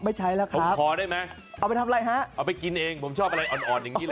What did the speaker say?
ไม่ใช้ล่ะครับเอาไปทำอะไรฮะเอาไปกินเองผมชอบอะไรอ่อนอย่างนี้เลย